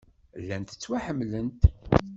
Llant ttwaḥemmlent.